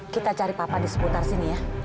kita cari papa di seputar sini ya